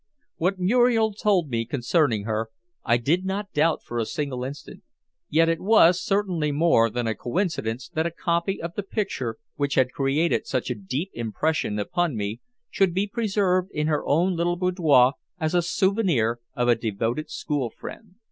What Muriel told me concerning her, I did not doubt for a single instant. Yet it was certainly more than a coincidence that a copy of the picture which had created such a deep impression upon me should be preserved in her own little boudoir as a souvenir of a devoted school friend.